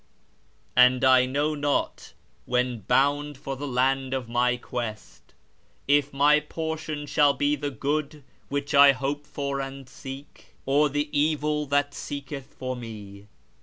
" And I know not, when bound for the land of my quest, if my portion shall be The good which I hope for and seek, or the evil that seeketh for me."